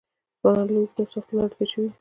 ځوانان له اوږدو او سختو لارو تېر شوي دي.